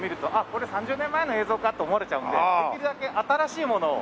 これ３０年前の映像かって思われちゃうのでできるだけ新しいものを。